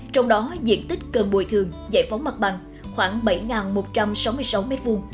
trong đó diện tích cần bồi thường giải phóng mặt bằng khoảng bảy một trăm sáu mươi sáu m hai